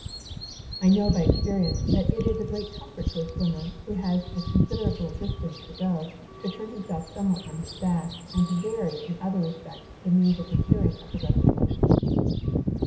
"I know by experience, that it is a great comfort to a swimmer, who has a considerable distance to go, to turn himself sometimes on his back, and to vary, in other respects, the means of procuring a progressive motion.